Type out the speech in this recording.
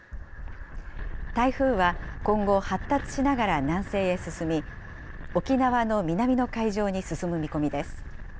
台風は今後、発達しながら南西へ進み、沖縄の南の海上に進む見込みです。